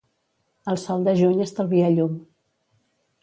El sol de juny estalvia llum.